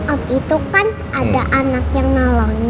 om itu kan ada anak yang nolongin